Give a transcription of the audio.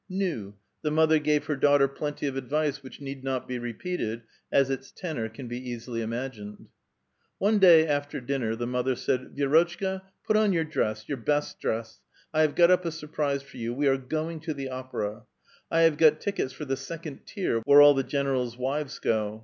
Nu! the mother gave her daughter plenty of advice which need not be repeated, as its tenor can be easily imagined. One day after dinner the mother said :" Vi^rotchka, put on yonr dress, your best dress. I have got up a surprise for you : we are going to the opera. I have got tickets for the second tier, where all the generals' wives go.